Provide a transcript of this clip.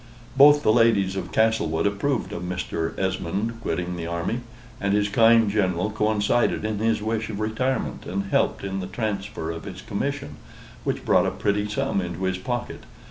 Both the ladies of Castlewood approved of Mr. Esmond quitting the army, and his kind General coincided in his wish of retirement and helped in the transfer of his commission, which brought a pretty sum into his pocket.